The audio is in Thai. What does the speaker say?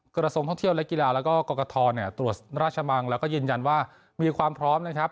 กรสงค์ท่องเที่ยวและกีฬาและกรกฏธอตรวจราชมังและก็ยืนยันว่ามีความพร้อม